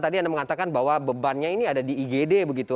tadi anda mengatakan bahwa bebannya ini ada di igd begitu